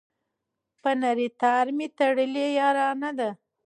په نري تار مي تړلې یارانه ده